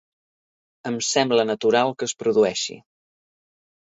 Em sembla natural que es produeixi.